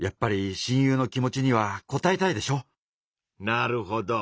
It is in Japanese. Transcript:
なるほど。